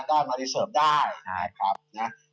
ใช้งานได้มาดิเซิร์ฟได้